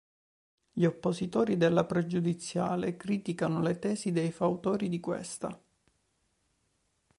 Gli oppositori della pregiudiziale criticano le tesi dei fautori di questa.